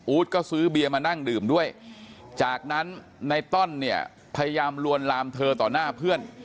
ก็ซื้อเบียร์มานั่งดื่มด้วยจากนั้นในต้อนเนี่ยพยายามลวนลามเธอต่อหน้าเพื่อน